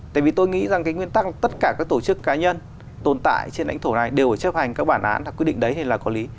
tại vì tôi nghĩ rằng cái nguyên tắc tất cả các tổ chức cá nhân tồn tại trên đánh thổ này đều phải chấp hành các bản án là quyết định đấy là có lý